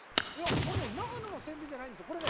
いやこれね長野の宣伝じゃないんですよ。